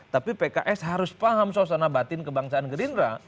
tapi pks harus paham suasana batin kebangsaan gerindra